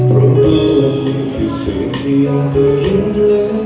เพราะรู้ว่านี่คือสิ่งที่ยังได้ยิ่งเหลือกัน